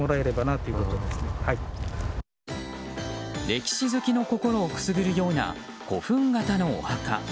歴史好きの心をくすぐるような古墳型のお墓。